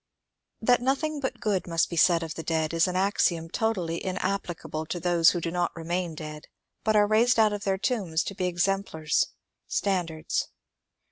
That nothing but good must be said of the dead is an axiom totally inapplicable to those who do not remain dead, but are raised out of their tombs to be exemplars, standards.